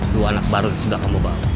cukup ajak dua anak baru sudah kamu bawa